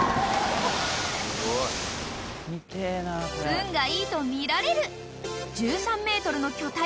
［運がいいと見られる１３ｍの巨体が宙を舞う］